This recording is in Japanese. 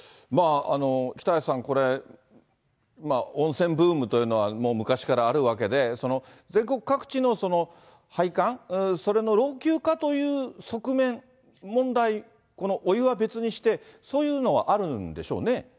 北橋さん、これ、温泉ブームというのはもう昔からあるわけで、全国各地の配管、それの老朽化という側面、問題、このお湯は別にして、そういうのはあるんでしょうね。